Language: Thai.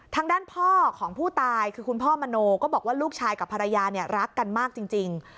ทางด้านพ่อของผู้ตายคือคุณพ่อมโนก็บอกว่าลูกชายกับภรรยาเนี่ยรักกันมากจริง